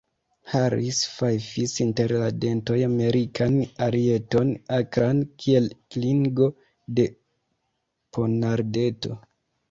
Harris fajfis inter la dentoj Amerikan arieton, akran kiel klingo de ponardeto.